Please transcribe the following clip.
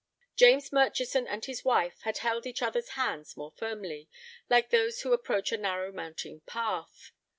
James Murchison and his wife had held each other's hands more firmly, like those who approach a narrow mountain path.